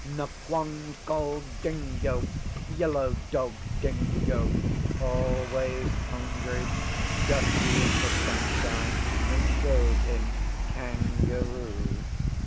Nqong called Dingo Yellow Dog Dingo always hungry, dusty in the sunshine, and showed him Kangaroo.